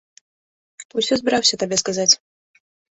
Усё збіраўся табе сказаць.